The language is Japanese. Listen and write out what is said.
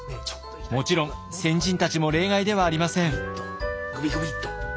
もちろん先人たちも例外ではありません。